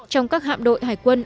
trong các hạm đội hải quân